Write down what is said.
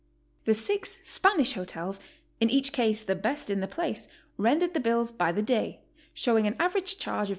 The six Spanish hotels, in each case the best in the place, rendered the bills by the day, sho'wing an average charge of $2.